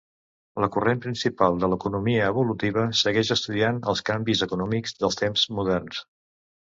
La corrent principal de l'economia evolutiva segueix estudiant els canvis econòmics dels temps moderns.